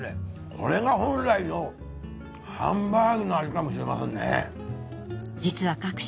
これが本来のハンバーグの味かもしれませんね。